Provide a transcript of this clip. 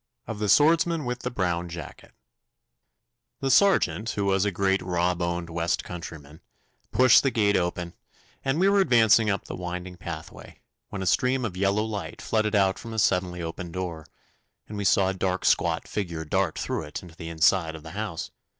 Of the Swordsman with the Brown Jacket The sergeant, who was a great raw boned west countryman, pushed the gate open, and we were advancing up the winding pathway, when a stream of yellow light flooded out from a suddenly opened door, and we saw a dark squat figure dart through it into the inside of the house.